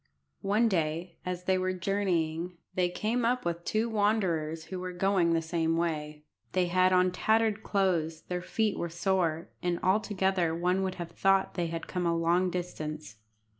One day as they were journeying, they came up with two wanderers who were going the same way. They had on tattered clothes, their feet were sore, and altogether one would have thought they had come a long distance.